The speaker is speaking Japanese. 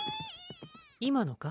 今のか？